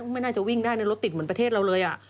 ไม่น่าจะวิ่งได้ในรถติดเหมือนประเทศเราเลย